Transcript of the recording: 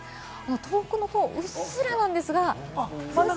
遠くのほう、薄っすらなんですが。